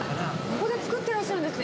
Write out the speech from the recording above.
ここで作ってらっしゃるんですか？